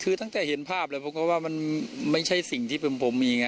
คือตั้งแต่เห็นภาพเลยผมก็ว่ามันไม่ใช่สิ่งที่เป็นผมมีไง